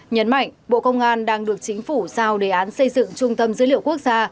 nhấn mạnh bộ công an đang được chính phủ giao đề án xây dựng trung tâm dữ liệu quốc gia